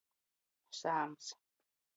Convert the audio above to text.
Sāms.